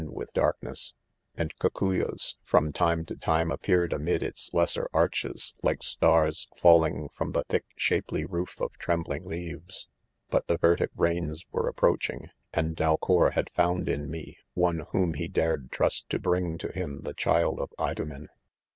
den with darkness 5 and cocuyas from time to time appeareiamiditslesser arches, like stars falling from the thick 'shapely roof of trem bling leaves. ■ But the vertlc rains were approaching ; and Dalcour.had found in. me, one. whom he dared trust to bring to him the child of Idomen.